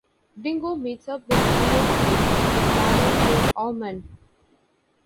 Dingo meets up with Leo again, and they travel to Aumaan.